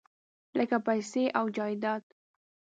لکه پیسې او جایداد .